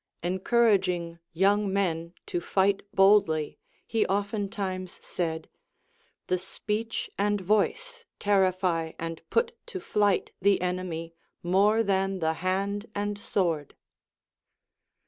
Encouraging young men to fight boldly, he oftentimes said. The speech and voice terrify and put to flight the enemy more than the hand and sword.